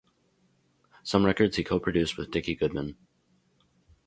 Some records he co-produced with Dickie Goodman.